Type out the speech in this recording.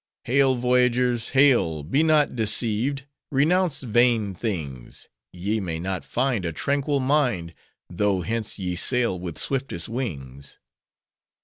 Hail! voyagers, hail! Be not deceived; renounce vain things; Ye may not find A tranquil mind, Though hence ye sail with swiftest wings.